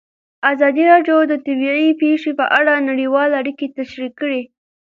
ازادي راډیو د طبیعي پېښې په اړه نړیوالې اړیکې تشریح کړي.